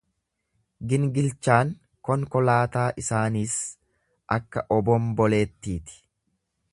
Gingilchaan konkolaataa isaaniis akka obomboleettiiti.